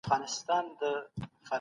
دولت د عوايدو کمښت احساس کړی دی.